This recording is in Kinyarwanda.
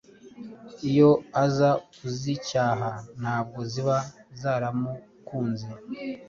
Iyo aza kuzicyaha ntabwo ziba zaramukunze